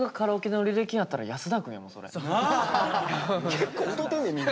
結構歌うてんでみんな。